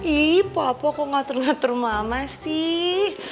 ih papa kok gak terlalu ngatur mama sih